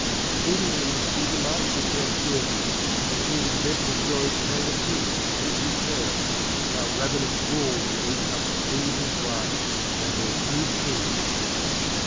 Exceedingly was she delighted with her cruelty, and she had invented a story to tell the King, at his return, how ravenous wolves had eaten up the Queen his wife, and her two children.